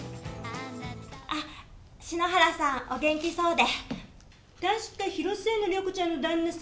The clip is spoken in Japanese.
篠原さん、お元気そうで。